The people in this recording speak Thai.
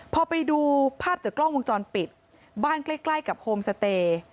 พอไปดูภาพจากกล้องวงจรปิดบ้านใกล้ใกล้กับโฮมสเตย์